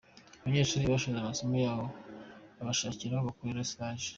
Abanyeshuri basoje amasomo babashakira aho bakorera stage.